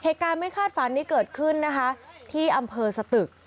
เหตุการณ์ไม่คาดฝันนี้เกิดขึ้นนะคะที่อำเภอสตึก